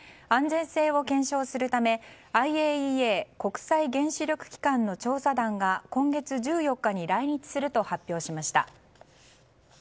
安全性を検証するためＩＡＥＡ・国際原子力機関の調査団が今月１４日に来日すると発表しました。